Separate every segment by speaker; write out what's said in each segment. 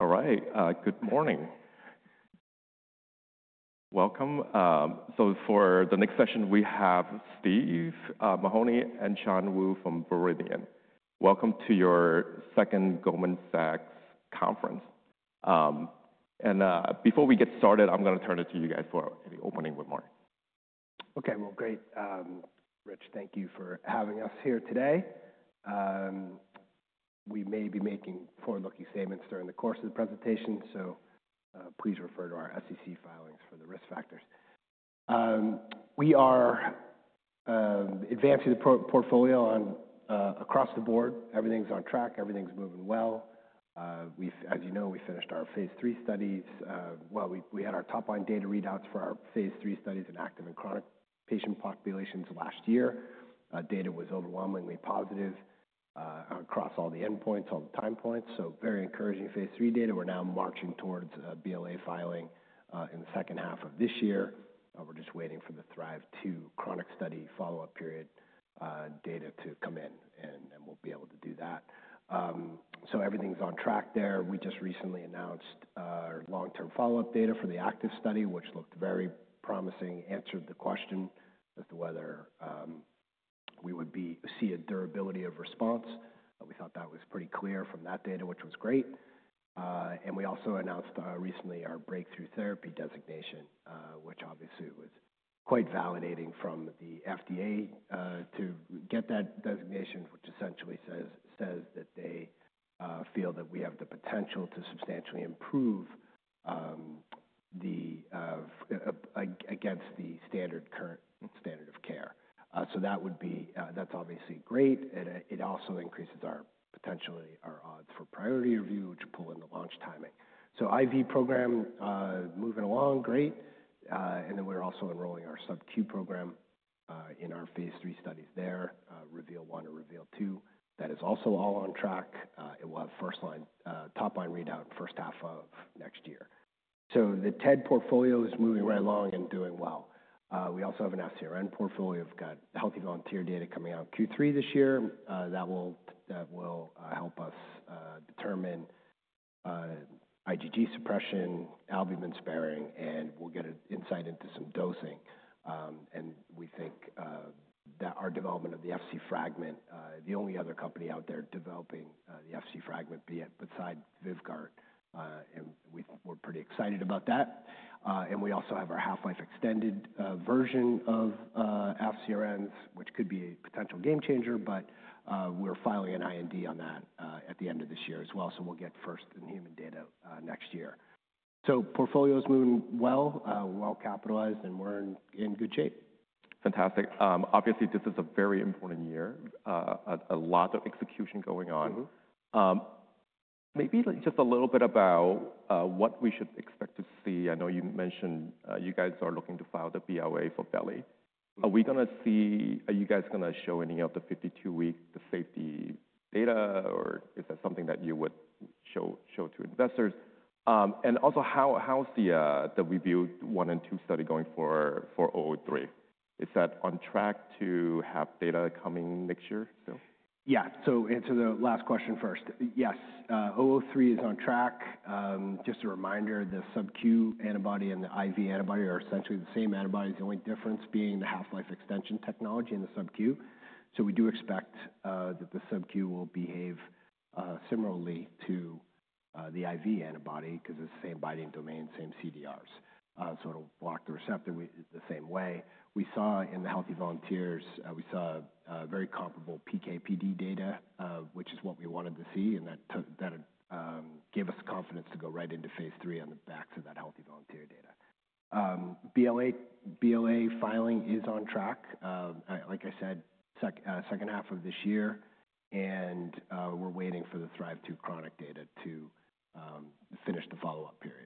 Speaker 1: All right, good morning. Welcome. For the next session, we have Steve Mahoney and Shan Wu from Viridian. Welcome to your second Goldman Sachs conference. Before we get started, I'm going to turn it to you guys for the opening remarks.
Speaker 2: Okay, great. Rich, thank you for having us here today. We may be making forward-looking statements during the course of the presentation, so please refer to our SEC filings for the risk factors. We are advancing the portfolio across the board. Everything's on track. Everything's moving well. As you know, we finished our phase three studies. We had our top-line data readouts for our phase three studies in active and chronic patient populations last year. Data was overwhelmingly positive across all the endpoints, all the time points. Very encouraging phase three data. We're now marching towards BLA filing in the second half of this year. We're just waiting for the Thrive 2 chronic study follow-up period data to come in, and we'll be able to do that. Everything's on track there. We just recently announced our long-term follow-up data for the active study, which looked very promising, answered the question as to whether we would see a durability of response. We thought that was pretty clear from that data, which was great. We also announced recently our breakthrough therapy designation, which obviously was quite validating from the FDA to get that designation, which essentially says that they feel that we have the potential to substantially improve against the current standard of care. That is obviously great. It also increases potentially our odds for priority review, which will pull in the launch timing. IV program moving along, great. We are also enrolling our sub-Q program in our phase three studies there, Reveal 1 and Reveal 2. That is also all on track. It will have first-line top-line readout in the first half of next year. The TED portfolio is moving right along and doing well. We also have an FCRN portfolio. We've got healthy volunteer data coming out Q3 this year that will help us determine IgG suppression, albumin sparing, and we'll get an insight into some dosing. We think that our development of the FC fragment, the only other company out there developing the FC fragment besides Vyvgart, and we're pretty excited about that. We also have our half-life extended version of FCRNs, which could be a potential game changer, but we're filing an IND on that at the end of this year as well. We'll get first-in-human data next year. The portfolio is moving well, well capitalized, and we're in good shape.
Speaker 1: Fantastic. Obviously, this is a very important year. A lot of execution going on. Maybe just a little bit about what we should expect to see. I know you mentioned you guys are looking to file the BLA for veligrotug. Are we going to see—are you guys going to show any of the 52-week safety data, or is that something that you would show to investors? Also, how's the Reveal 1 and 2 study going for VRDN-003? Is that on track to have data coming next year still?
Speaker 2: Yeah. To answer the last question first, yes, 003 is on track. Just a reminder, the sub-Q antibody and the IV antibody are essentially the same antibodies, the only difference being the half-life extension technology in the sub-Q. We do expect that the sub-Q will behave similarly to the IV antibody because it's the same binding domain, same CDRs. It'll block the receptor the same way. We saw in the healthy volunteers, we saw very comparable PK/PD data, which is what we wanted to see, and that gave us confidence to go right into phase three on the backs of that healthy volunteer data. BLA filing is on track, like I said, second half of this year, and we're waiting for the THRIVE-2 chronic data to finish the follow-up period,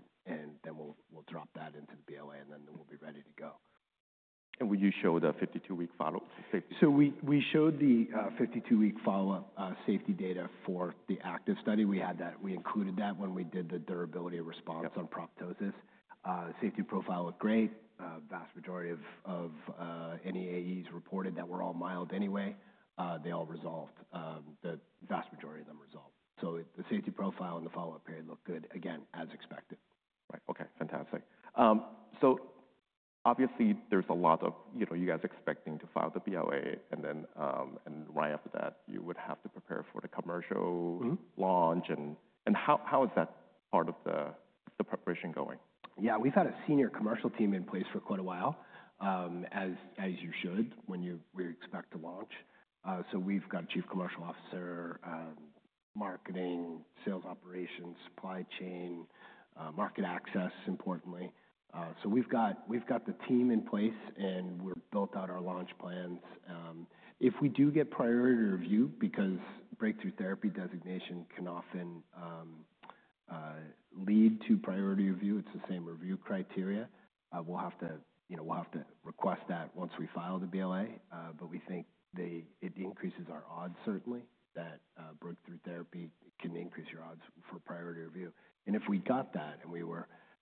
Speaker 2: and then we'll drop that into the BLA, and then we'll be ready to go.
Speaker 1: Would you show the 52-week follow-up?
Speaker 2: We showed the 52-week follow-up safety data for the active study. We included that when we did the durability response on proptosis. Safety profile looked great. Vast majority of any AEs reported were all mild anyway. They all resolved. The vast majority of them resolved. The safety profile and the follow-up period looked good, again, as expected.
Speaker 1: Right. Okay. Fantastic. Obviously, there's a lot of—you guys expecting to file the BLA, and then right after that, you would have to prepare for the commercial launch. How is that part of the preparation going?
Speaker 2: Yeah, we've had a senior commercial team in place for quite a while, as you should when we expect to launch. So we've got a Chief Commercial Officer, marketing, sales operations, supply chain, market access, importantly. So we've got the team in place, and we've built out our launch plans. If we do get priority review, because breakthrough therapy designation can often lead to priority review, it's the same review criteria. We'll have to request that once we file the BLA, but we think it increases our odds, certainly, that breakthrough therapy can increase your odds for priority review. If we got that and we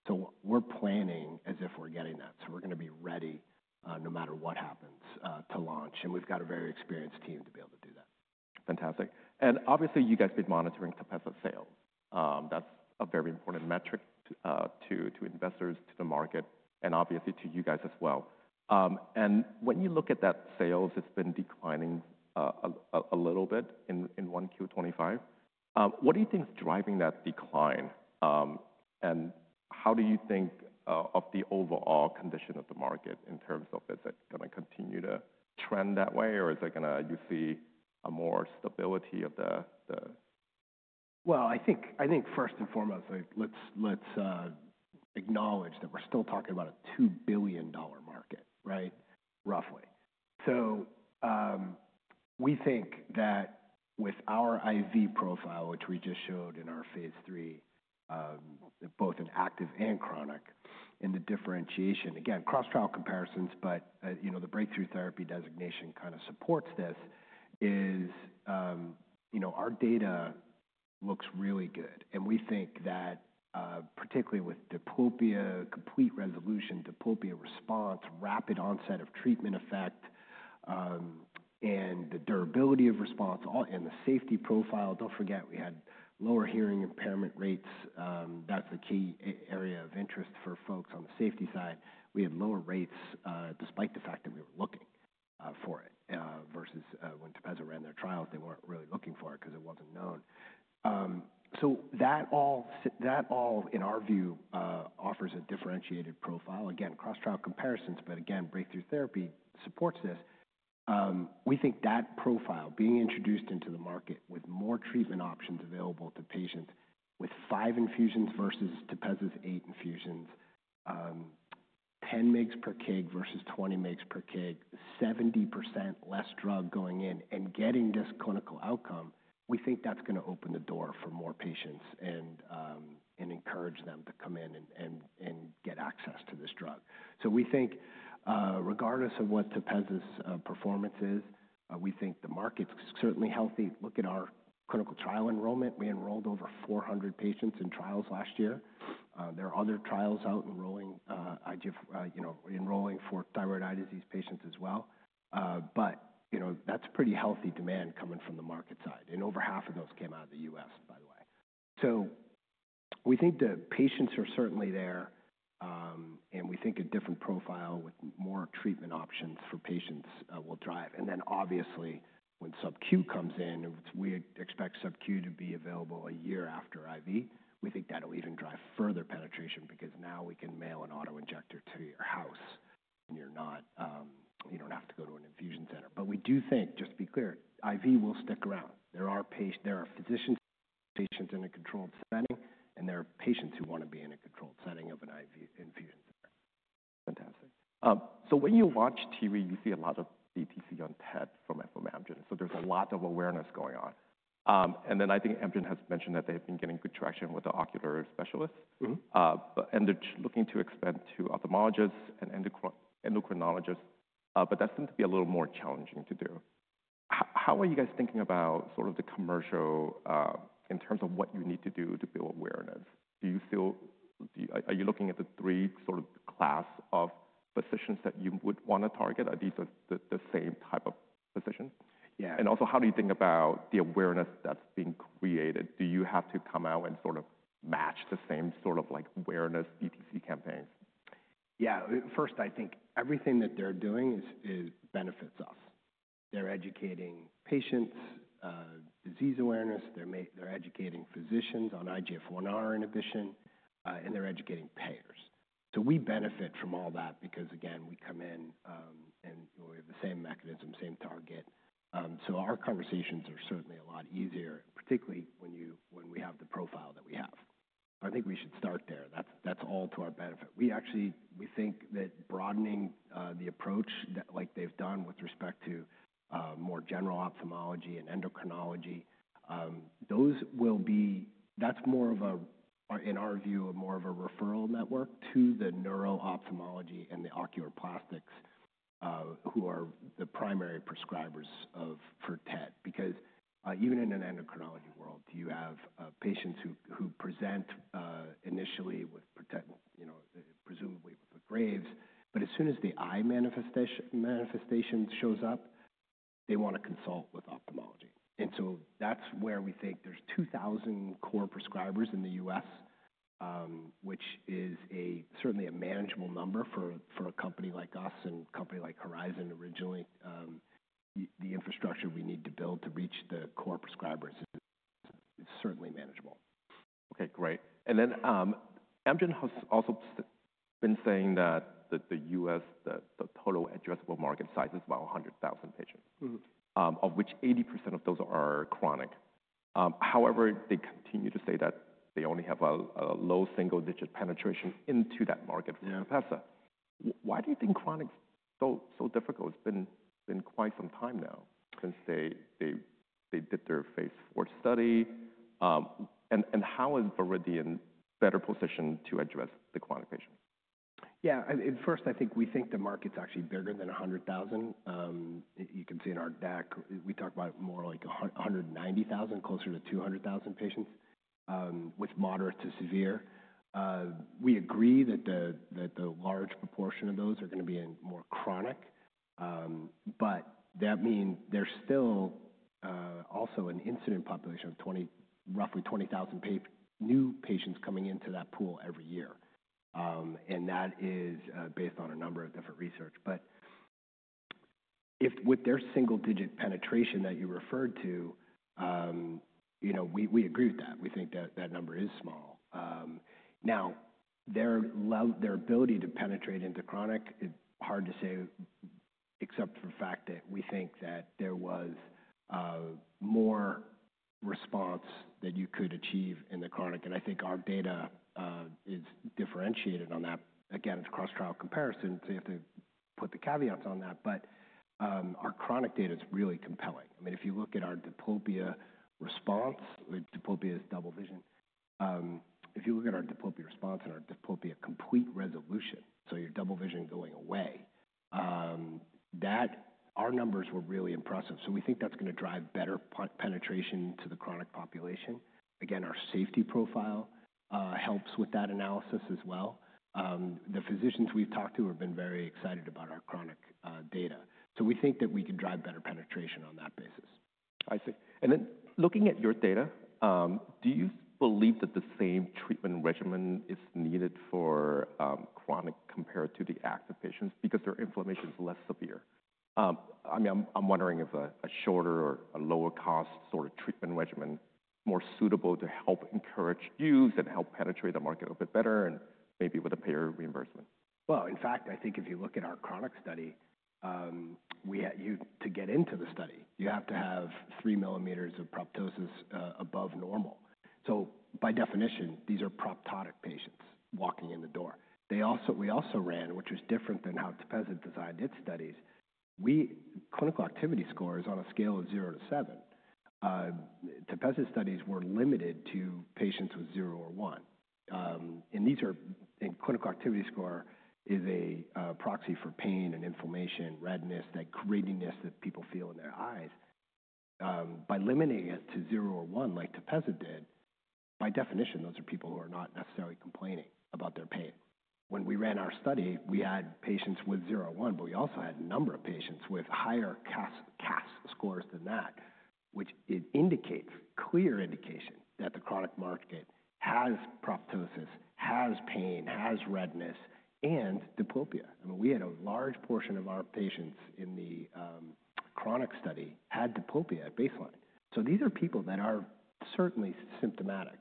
Speaker 2: were—so we're planning as if we're getting that. We're going to be ready no matter what happens to launch. We've got a very experienced team to be able to do that.
Speaker 1: Fantastic. Obviously, you guys have been monitoring Tepezza sales. That's a very important metric to investors, to the market, and obviously to you guys as well. When you look at that sales, it's been declining a little bit in 1Q 2025. What do you think is driving that decline, and how do you think of the overall condition of the market in terms of, is it going to continue to trend that way, or do you see more stability?
Speaker 2: I think first and foremost, let's acknowledge that we're still talking about a $2 billion market, right, roughly. We think that with our IV profile, which we just showed in our phase three, both in active and chronic, in the differentiation, again, cross-trial comparisons, but the breakthrough therapy designation kind of supports this, is our data looks really good. We think that particularly with diplopia, complete resolution, diplopia response, rapid onset of treatment effect, and the durability of response, and the safety profile, don't forget, we had lower hearing impairment rates. That's the key area of interest for folks on the safety side. We had lower rates despite the fact that we were looking for it versus when Tepezza ran their trials, they weren't really looking for it because it wasn't known. That all, in our view, offers a differentiated profile. Again, cross-trial comparisons, but again, breakthrough therapy supports this. We think that profile being introduced into the market with more treatment options available to patients with five infusions versus Tepezza's eight infusions, 10 mg per kg versus 20 mg per kg, 70% less drug going in and getting this clinical outcome, we think that's going to open the door for more patients and encourage them to come in and get access to this drug. We think regardless of what Tepezza's performance is, we think the market's certainly healthy. Look at our clinical trial enrollment. We enrolled over 400 patients in trials last year. There are other trials out enrolling for thyroid eye disease patients as well. That's pretty healthy demand coming from the market side. Over half of those came out of the U.S., by the way. We think the patients are certainly there, and we think a different profile with more treatment options for patients will drive. Obviously, when sub-Q comes in, we expect sub-Q to be available a year after IV. We think that will even drive further penetration because now we can mail an auto injector to your house and you do not have to go to an infusion center. We do think, just to be clear, IV will stick around. There are physicians in a controlled setting, and there are patients who want to be in a controlled setting of an IV infusion center.
Speaker 1: Fantastic. When you watch TV, you see a lot of CTC on TED from Horizon Therapeutics. There is a lot of awareness going on. I think Horizon Therapeutics has mentioned that they've been getting good traction with the ocular specialists, and they're looking to expand to ophthalmologists and endocrinologists, but that seems to be a little more challenging to do. How are you guys thinking about sort of the commercial in terms of what you need to do to build awareness? Are you looking at the three sort of classes of physicians that you would want to target? Are these the same type of physicians?
Speaker 2: Yeah.
Speaker 1: How do you think about the awareness that's being created? Do you have to come out and sort of match the same sort of awareness DTC campaigns?
Speaker 2: Yeah. First, I think everything that they're doing benefits us. They're educating patients, disease awareness. They're educating physicians on IGF-1R inhibition, and they're educating payers. We benefit from all that because, again, we come in and we have the same mechanism, same target. Our conversations are certainly a lot easier, particularly when we have the profile that we have. I think we should start there. That's all to our benefit. We think that broadening the approach like they've done with respect to more general ophthalmology and endocrinology, that's more of a, in our view, more of a referral network to the neuro-ophthalmology and the oculoplastics who are the primary prescribers for TED because even in an endocrinology world, you have patients who present initially with presumably with the Graves, but as soon as the eye manifestation shows up, they want to consult with ophthalmology. That's where we think there's 2,000 core prescribers in the US, which is certainly a manageable number for a company like us and a company like Horizon originally. The infrastructure we need to build to reach the core prescribers is certainly manageable.
Speaker 1: Okay. Great. Epamountgen has also been saying that the US, the total addressable market size is about 100,000 patients, of which 80% of those are chronic. However, they continue to say that they only have a low single-digit penetration into that market for Tepezza. Why do you think chronic is so difficult? It's been quite some time now since they did their phase four study. How is Viridian better positioned to address the chronic patients?
Speaker 2: Yeah. First, I think we think the market's actually bigger than 100,000. You can see in our deck, we talk about more like 190,000, closer to 200,000 patients with moderate to severe. We agree that the large proportion of those are going to be more chronic, but that means there's still also an incident population of roughly 20,000 new patients coming into that pool every year. That is based on a number of different research. With their single-digit penetration that you referred to, we agree with that. We think that number is small. Now, their ability to penetrate into chronic is hard to say except for the fact that we think that there was more response that you could achieve in the chronic. I think our data is differentiated on that. Again, it's cross-trial comparison, so you have to put the caveats on that. Our chronic data is really compelling. I mean, if you look at our diplopia response, diplopia is double vision. If you look at our diplopia response and our diplopia complete resolution, so your double vision going away, our numbers were really impressive. We think that's going to drive better penetration to the chronic population. Again, our safety profile helps with that analysis as well. The physicians we've talked to have been very excited about our chronic data. We think that we can drive better penetration on that basis.
Speaker 1: I see. And then looking at your data, do you believe that the same treatment regimen is needed for chronic compared to the active patients because their inflammation is less severe? I mean, I'm wondering if a shorter or a lower-cost sort of treatment regimen is more suitable to help encourage use and help penetrate the market a bit better and maybe with a payer reimbursement.
Speaker 2: In fact, I think if you look at our chronic study, to get into the study, you have to have 3 millimeters of proptosis above normal. By definition, these are proptotic patients walking in the door. We also ran, which was different than how Tepezza designed its studies, clinical activity scores on a scale of 0 to 7. Tepezza studies were limited to patients with 0 or 1. Clinical activity score is a proxy for pain and inflammation, redness, that grittiness that people feel in their eyes. By limiting it to 0 or 1, like Tepezza did, by definition, those are people who are not necessarily complaining about their pain. When we ran our study, we had patients with 0 or 1, but we also had a number of patients with higher CAS scores than that, which indicates clear indication that the chronic market has proptosis, has pain, has redness, and diplopia. I mean, we had a large portion of our patients in the chronic study had diplopia at baseline. These are people that are certainly symptomatic.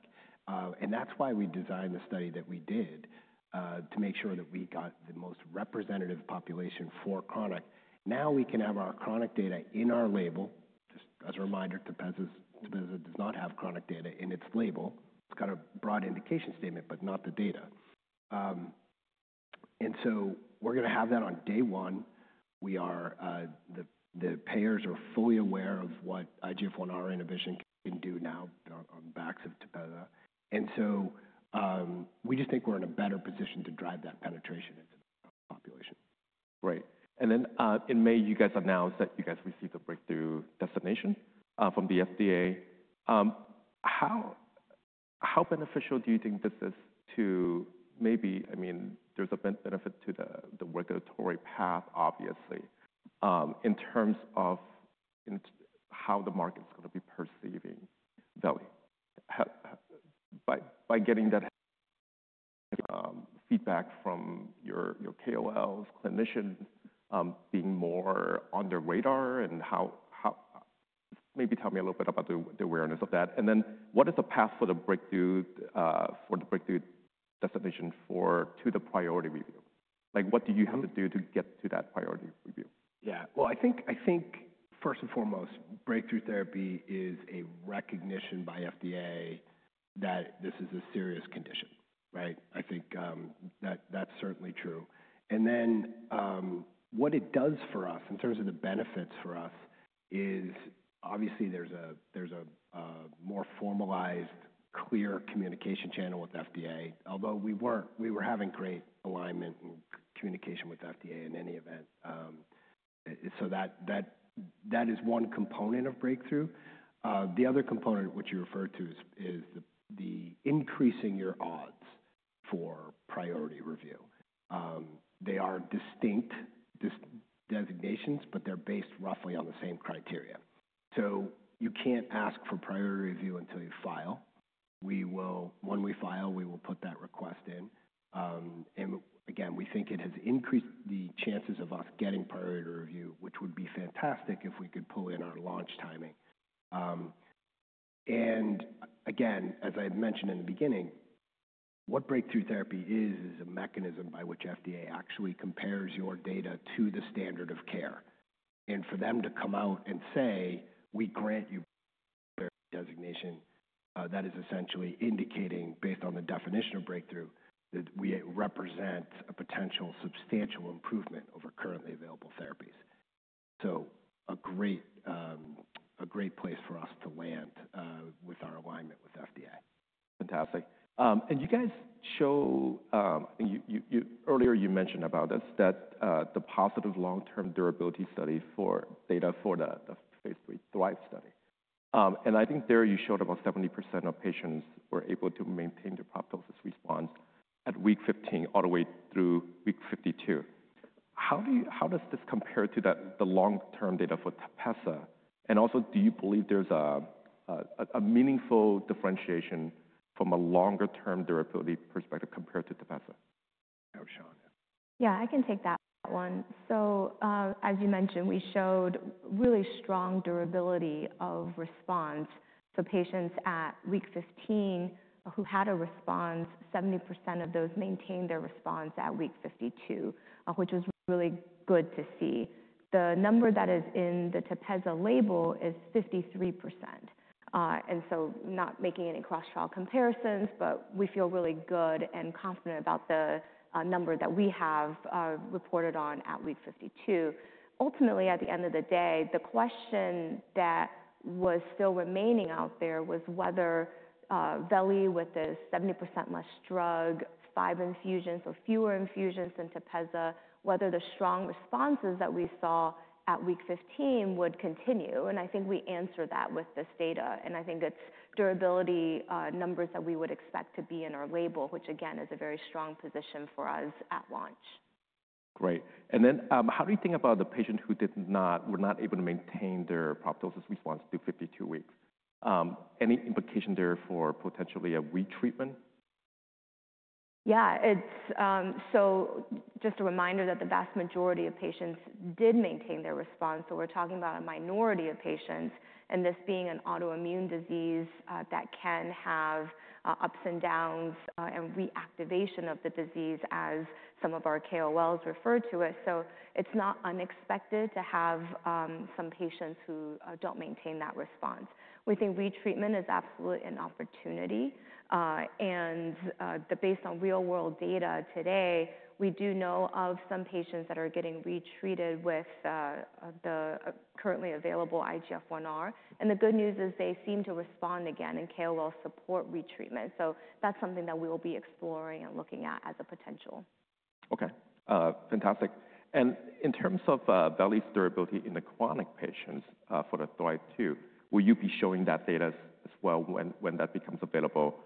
Speaker 2: That is why we designed the study that we did to make sure that we got the most representative population for chronic. Now we can have our chronic data in our label. Just as a reminder, Tepezza does not have chronic data in its label. It has a broad indication statement, but not the data. We are going to have that on day one. The payers are fully aware of what IGF-1R inhibition can do now on the backs of Tepezza. We just think we're in a better position to drive that penetration into the chronic population.
Speaker 1: Great. In May, you guys announced that you guys received a breakthrough therapy designation from the FDA. How beneficial do you think this is to maybe, I mean, there's a benefit to the regulatory path, obviously, in terms of how the market's going to be perceiving veligrotug. By getting that feedback from your KOLs, clinicians being more on their radar, and maybe tell me a little bit about the awareness of that. What is the path for the breakthrough therapy designation to the priority review? What do you have to do to get to that priority review?
Speaker 2: Yeah. I think first and foremost, breakthrough therapy is a recognition by FDA that this is a serious condition, right? I think that's certainly true. What it does for us in terms of the benefits for us is obviously there's a more formalized, clear communication channel with FDA, although we were having great alignment and communication with FDA in any event. That is one component of breakthrough. The other component, which you referred to, is the increasing your odds for priority review. They are distinct designations, but they're based roughly on the same criteria. You can't ask for priority review until you file. When we file, we will put that request in. Again, we think it has increased the chances of us getting priority review, which would be fantastic if we could pull in our launch timing. As I mentioned in the beginning, what breakthrough therapy is, is a mechanism by which FDA actually compares your data to the standard of care. For them to come out and say, "We grant you a designation," that is essentially indicating based on the definition of breakthrough that we represent a potential substantial improvement over currently available therapies. A great place for us to land with our alignment with FDA.
Speaker 1: Fantastic. You guys show, I think earlier you mentioned about this, that the positive long-term durability study for data for the phase three THRIVE study. I think there you showed about 70% of patients were able to maintain their proptosis response at week 15 all the way through week 52. How does this compare to the long-term data for Tepezza? Also, do you believe there's a meaningful differentiation from a longer-term durability perspective compared to Tepezza?
Speaker 3: Yeah, I can take that one. As you mentioned, we showed really strong durability of response for patients at week 15 who had a response. 70% of those maintained their response at week 52, which was really good to see. The number that is in the Tepezza label is 53%. Not making any cross-trial comparisons, but we feel really good and confident about the number that we have reported on at week 52. Ultimately, at the end of the day, the question that was still remaining out there was whether veligrotug, with the 70% less drug, five infusions, so fewer infusions than Tepezza, whether the strong responses that we saw at week 15 would continue. I think we answered that with this data. I think it's durability numbers that we would expect to be in our label, which again is a very strong position for us at launch.
Speaker 1: Great. How do you think about the patient who were not able to maintain their proptosis response to 52 weeks? Any implication there for potentially a retreatment?
Speaker 3: Yeah. Just a reminder that the vast majority of patients did maintain their response. We're talking about a minority of patients, and this being an autoimmune disease that can have ups and downs and reactivation of the disease, as some of our KOLs refer to it. It's not unexpected to have some patients who don't maintain that response. We think retreatment is absolutely an opportunity. Based on real-world data today, we do know of some patients that are getting retreated with the currently available IGF-1R. The good news is they seem to respond again and KOLs support retreatment. That's something that we will be exploring and looking at as a potential.
Speaker 1: Okay. Fantastic. In terms of Veligrotug's durability in the chronic patients for the THRIVE-2, will you be showing that data as well when that becomes available?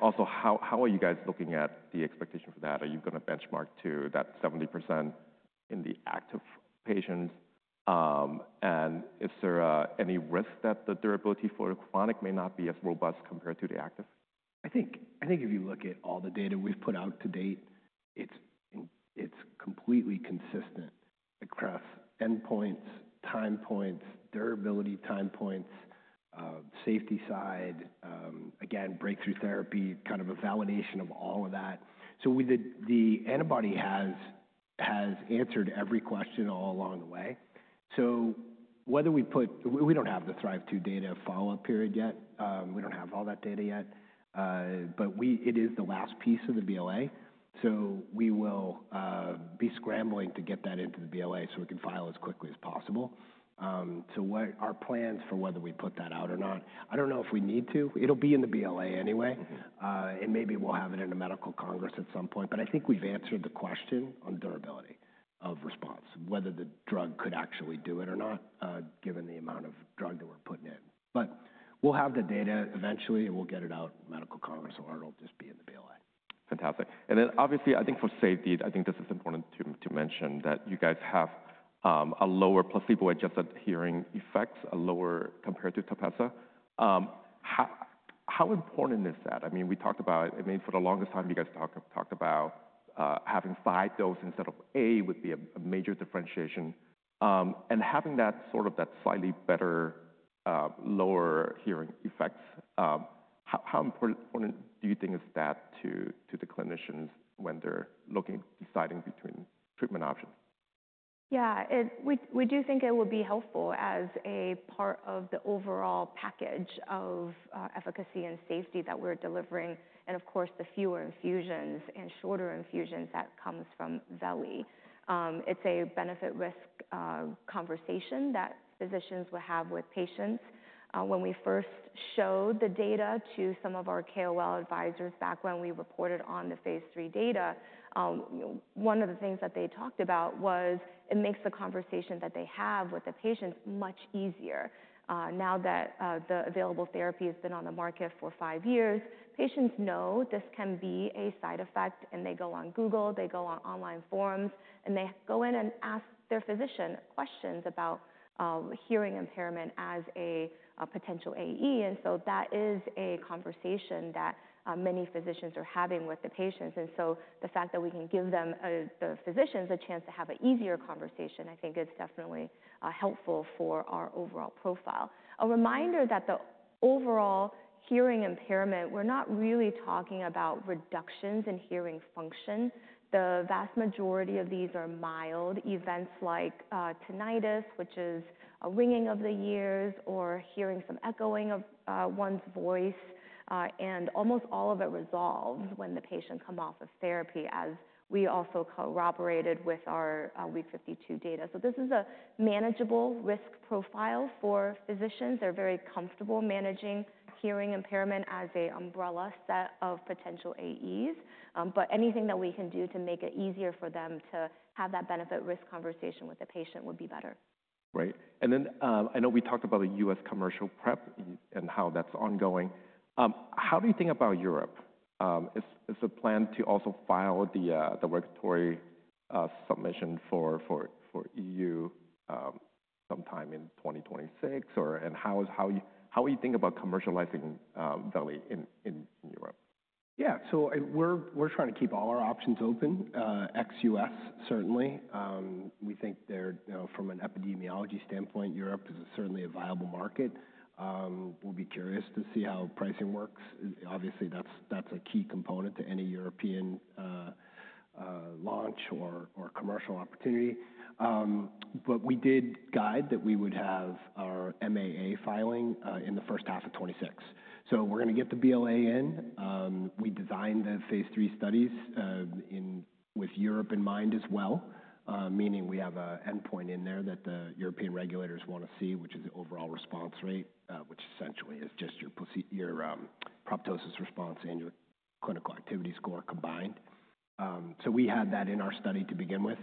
Speaker 1: Also, how are you guys looking at the expectation for that? Are you going to benchmark to that 70% in the active patients? Is there any risk that the durability for the chronic may not be as robust compared to the active?
Speaker 2: I think if you look at all the data we've put out to date, it's completely consistent across endpoints, time points, durability time points, safety side, again, breakthrough therapy, kind of a validation of all of that. The antibody has answered every question all along the way. We don't have the THRIVE-2 data follow-up period yet. We don't have all that data yet. It is the last piece of the BLA. We will be scrambling to get that into the BLA so we can file as quickly as possible. Our plans for whether we put that out or not, I don't know if we need to. It'll be in the BLA anyway. Maybe we'll have it in a medical congress at some point. I think we've answered the question on durability of response, whether the drug could actually do it or not, given the amount of drug that we're putting in. We'll have the data eventually, and we'll get it out in medical congress, or it'll just be in the BLA.
Speaker 1: Fantastic. Obviously, I think for safety, I think this is important to mention that you guys have a lower placebo-adjusted hearing effects, lower compared to Tepezza. How important is that? I mean, we talked about, I mean, for the longest time, you guys talked about having five doses instead of eight would be a major differentiation. And having that sort of that slightly better lower hearing effects, how important do you think is that to the clinicians when they're looking, deciding between treatment options?
Speaker 3: Yeah. We do think it will be helpful as a part of the overall package of efficacy and safety that we're delivering. Of course, the fewer infusions and shorter infusions that come from Veligrotug. It's a benefit-risk conversation that physicians will have with patients. When we first showed the data to some of our KOL advisors back when we reported on the phase three data, one of the things that they talked about was it makes the conversation that they have with the patients much easier. Now that the available therapy has been on the market for five years, patients know this can be a side effect, and they go on Google, they go on online forums, and they go in and ask their physician questions about hearing impairment as a potential AE. That is a conversation that many physicians are having with the patients. The fact that we can give the physicians a chance to have an easier conversation, I think it's definitely helpful for our overall profile. A reminder that the overall hearing impairment, we're not really talking about reductions in hearing function. The vast majority of these are mild events like tinnitus, which is a ringing of the ears or hearing some echoing of one's voice. Almost all of it resolves when the patient comes off of therapy, as we also corroborated with our week 52 data. This is a manageable risk profile for physicians. They're very comfortable managing hearing impairment as an umbrella set of potential AEs. Anything that we can do to make it easier for them to have that benefit-risk conversation with the patient would be better.
Speaker 1: Great. I know we talked about the US commercial prep and how that's ongoing. How do you think about Europe? Is the plan to also file the regulatory submission for EU sometime in 2026? How will you think about commercializing veligrotug in Europe?
Speaker 2: Yeah. So we're trying to keep all our options open. Ex-U.S., certainly. We think from an epidemiology standpoint, Europe is certainly a viable market. We'll be curious to see how pricing works. Obviously, that's a key component to any European launch or commercial opportunity. We did guide that we would have our MAA filing in the first half of 2026. We're going to get the BLA in. We designed the phase three studies with Europe in mind as well, meaning we have an endpoint in there that the European regulators want to see, which is the overall response rate, which essentially is just your proptosis response and your clinical activity score combined. We had that in our study to begin with,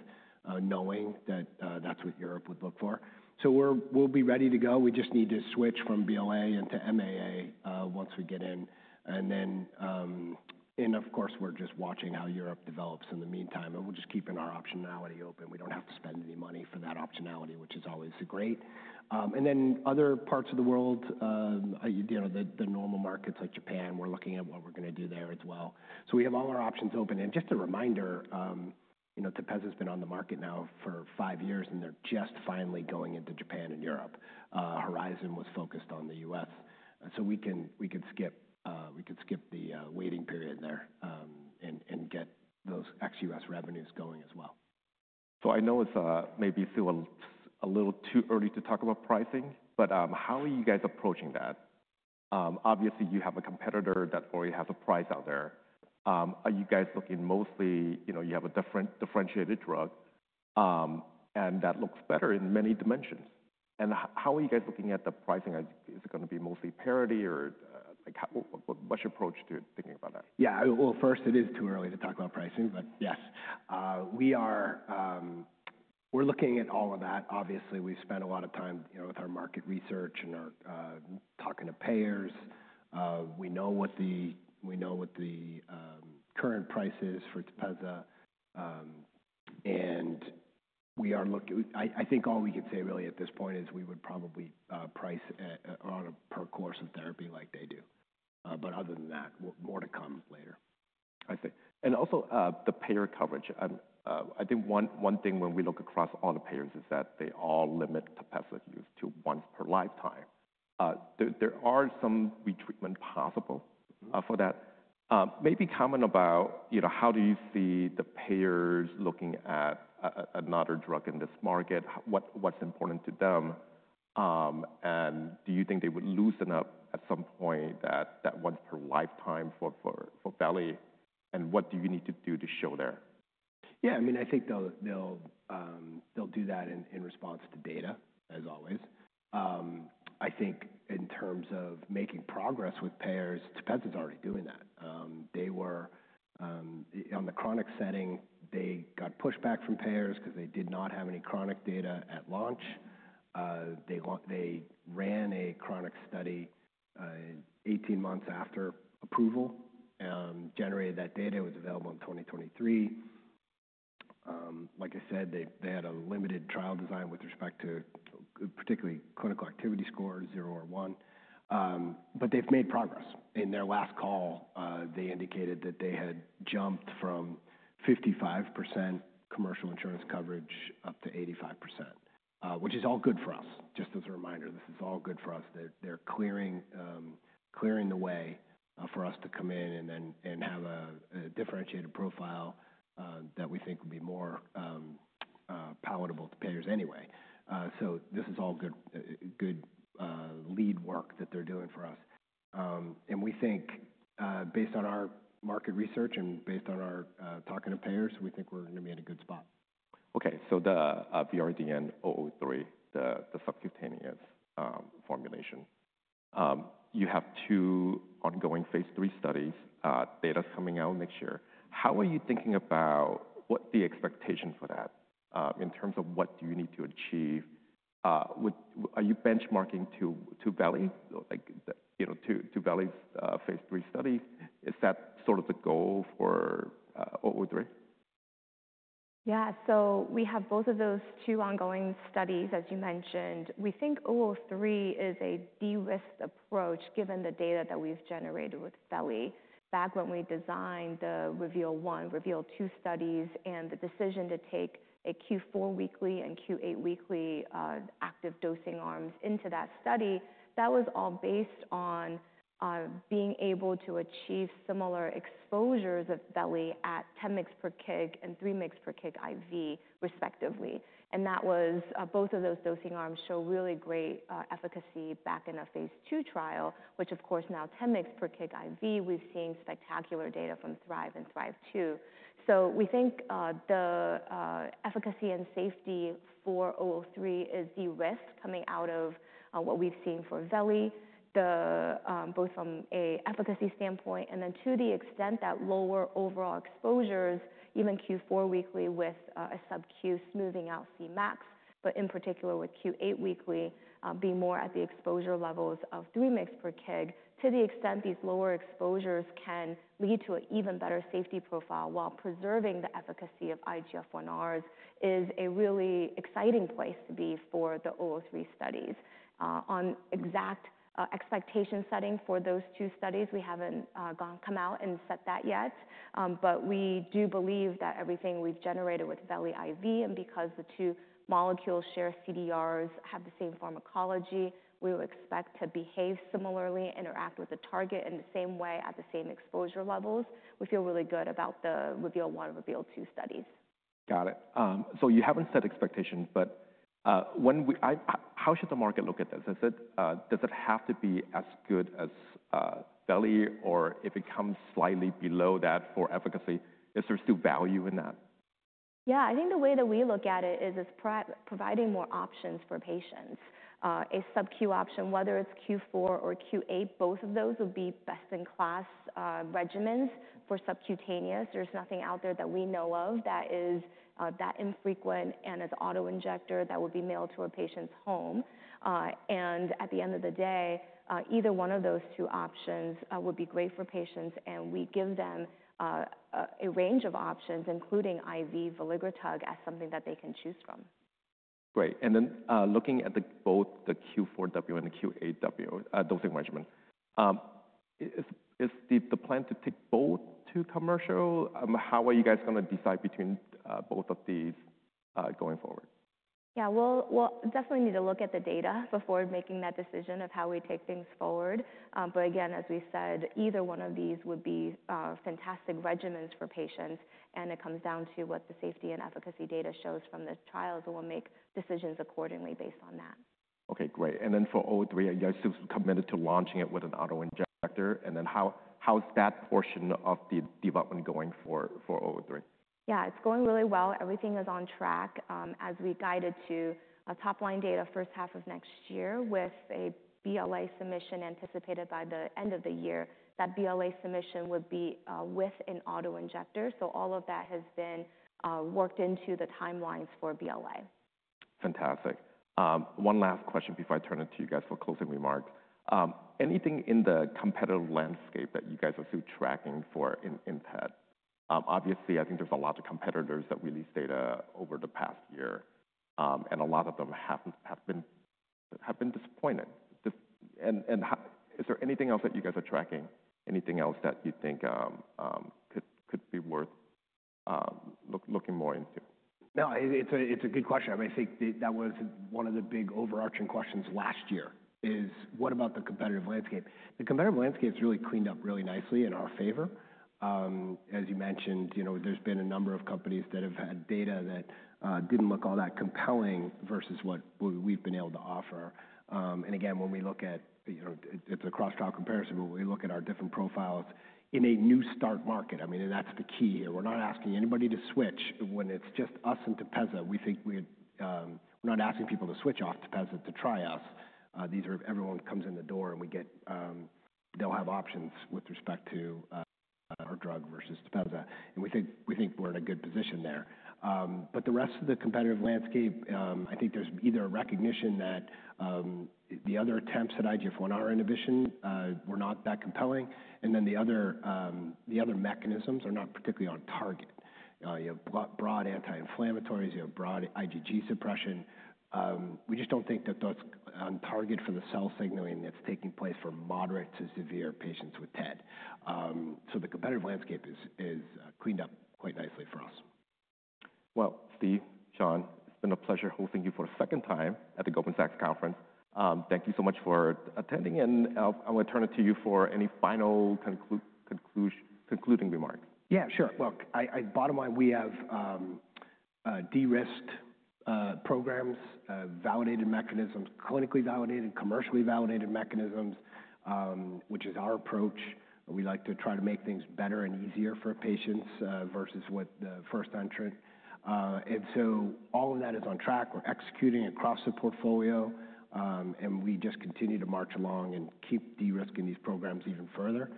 Speaker 2: knowing that that's what Europe would look for. We'll be ready to go. We just need to switch from BLA into MAA once we get in. Of course, we're just watching how Europe develops in the meantime. We'll just keep our optionality open. We don't have to spend any money for that optionality, which is always great. Other parts of the world, the normal markets like Japan, we're looking at what we're going to do there as well. We have all our options open. Just a reminder, Tepezza has been on the market now for five years, and they're just finally going into Japan and Europe. Horizon was focused on the US. We could skip the waiting period there and get those ex-US revenues going as well.
Speaker 1: I know it's maybe still a little too early to talk about pricing, but how are you guys approaching that? Obviously, you have a competitor that already has a price out there. Are you guys looking mostly, you have a differentiated drug, and that looks better in many dimensions? How are you guys looking at the pricing? Is it going to be mostly parity or what's your approach to thinking about that?
Speaker 2: Yeah. First, it is too early to talk about pricing, but yes. We're looking at all of that. Obviously, we've spent a lot of time with our market research and talking to payers. We know what the current price is for Tepezza. I think all we can say really at this point is we would probably price per course of therapy like they do. Other than that, more to come later.
Speaker 1: I see. Also, the payer coverage. I think one thing when we look across all the payers is that they all limit Tepezza use to once per lifetime. There is some retreatment possible for that. Maybe comment about how you see the payers looking at another drug in this market. What's important to them? Do you think they would loosen up at some point that once per lifetime for veligrotug? What do you need to do to show there?
Speaker 2: Yeah. I mean, I think they'll do that in response to data, as always. I think in terms of making progress with payers, Tepezza is already doing that. On the chronic setting, they got pushback from payers because they did not have any chronic data at launch. They ran a chronic study 18 months after approval, generated that data, it was available in 2023. Like I said, they had a limited trial design with respect to particularly clinical activity score, zero or one. But they've made progress. In their last call, they indicated that they had jumped from 55% commercial insurance coverage up to 85%, which is all good for us. Just as a reminder, this is all good for us. They're clearing the way for us to come in and have a differentiated profile that we think would be more palatable to payers anyway. This is all good lead work that they're doing for us. We think based on our market research and based on our talking to payers, we think we're going to be in a good spot.
Speaker 1: Okay. So the VRDN-003, the subcutaneous formulation, you have two ongoing phase three studies, data's coming out next year. How are you thinking about what the expectation for that in terms of what do you need to achieve? Are you benchmarking to Veligrotug, to Veligrotug's phase three study? Is that sort of the goal for 003?
Speaker 3: Yeah. So we have both of those two ongoing studies, as you mentioned. We think 003 is a de-risked approach given the data that we've generated with veligrotug. Back when we designed the Reveal 1, Reveal 2 studies, and the decision to take a Q4 weekly and Q8 weekly active dosing arms into that study, that was all based on being able to achieve similar exposures of veligrotug at 10 mg per kg and 3 mg per kg IV, respectively. And both of those dosing arms show really great efficacy back in a phase two trial, which of course now 10 mg per kg IV, we've seen spectacular data from Thrive and Thrive 2. We think the efficacy and safety for 003 is de-risked coming out of what we've seen for Veligrotug, both from an efficacy standpoint and then to the extent that lower overall exposures, even Q4 weekly with a sub-Q smoothing out Cmax, but in particular with Q8 weekly being more at the exposure levels of 3 mg per kg, to the extent these lower exposures can lead to an even better safety profile while preserving the efficacy of IGF-1Rs is a really exciting place to be for the 003 studies. On exact expectation setting for those two studies, we haven't come out and set that yet. We do believe that everything we've generated with Veligrotug IV, and because the two molecules share CDRs, have the same pharmacology, we would expect to behave similarly, interact with the target in the same way at the same exposure levels. We feel really good about the Reveal 1, Reveal 2 studies.
Speaker 1: Got it. So you haven't set expectations, but how should the market look at this? Does it have to be as good as Veligrotug, or if it comes slightly below that for efficacy, is there still value in that?
Speaker 3: Yeah. I think the way that we look at it is providing more options for patients. A sub-Q option, whether it's Q4 or Q8, both of those would be best-in-class regimens for subcutaneous. There's nothing out there that we know of that is that infrequent and is auto-injector that would be mailed to a patient's home. At the end of the day, either one of those two options would be great for patients. We give them a range of options, including IV, veligrotug as something that they can choose from.
Speaker 1: Great. Looking at both the Q4W and the Q8W dosing regimen, is the plan to take both to commercial? How are you guys going to decide between both of these going forward?
Speaker 3: Yeah. We'll definitely need to look at the data before making that decision of how we take things forward. Again, as we said, either one of these would be fantastic regimens for patients. It comes down to what the safety and efficacy data shows from the trials. We'll make decisions accordingly based on that.
Speaker 1: Okay. Great. For 003, are you guys committed to launching it with an auto-injector? How's that portion of the development going for 003?
Speaker 3: Yeah. It's going really well. Everything is on track. As we guided to top-line data first half of next year with a BLA submission anticipated by the end of the year, that BLA submission would be with an auto-injector. All of that has been worked into the timelines for BLA.
Speaker 1: Fantastic. One last question before I turn it to you guys for closing remarks. Anything in the competitive landscape that you guys are still tracking for in TED? Obviously, I think there's a lot of competitors that released data over the past year. A lot of them have been disappointed. Is there anything else that you guys are tracking? Anything else that you think could be worth looking more into?
Speaker 2: No, it's a good question. I mean, I think that was one of the big overarching questions last year is, what about the competitive landscape? The competitive landscape's really cleaned up really nicely in our favor. As you mentioned, there's been a number of companies that have had data that didn't look all that compelling versus what we've been able to offer. I mean, when we look at, it's a cross-trial comparison, but when we look at our different profiles in a new start market, I mean, that's the key here. We're not asking anybody to switch. When it's just us and Tepezza, we think we're not asking people to switch off Tepezza to try us. Everyone comes in the door and they'll have options with respect to our drug versus Tepezza. We think we're in a good position there. The rest of the competitive landscape, I think there's either a recognition that the other attempts at IGF-1R inhibition were not that compelling. The other mechanisms are not particularly on target. You have broad anti-inflammatories, you have broad IgG suppression. We just don't think that that's on target for the cell signaling that's taking place for moderate to severe patients with TED. The competitive landscape is cleaned up quite nicely for us.
Speaker 1: Steve, Shan, it's been a pleasure hosting you for a second time at the Goldman Sachs conference. Thank you so much for attending. I'm going to turn it to you for any final concluding remarks.
Speaker 2: Yeah, sure. Look, bottom line, we have de-risked programs, validated mechanisms, clinically validated, commercially validated mechanisms, which is our approach. We like to try to make things better and easier for patients versus what the first entrant. All of that is on track. We're executing across the portfolio. We just continue to march along and keep de-risking these programs even further.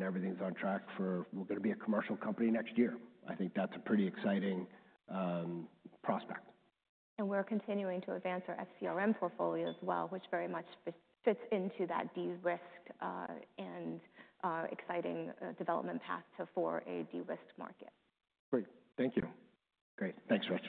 Speaker 2: Everything's on track for we're going to be a commercial company next year. I think that's a pretty exciting prospect.
Speaker 3: We're continuing to advance our FCRN portfolio as well, which very much fits into that de-risked and exciting development path for a de-risked market.
Speaker 1: Great. Thank you.
Speaker 2: Great. Thanks so much.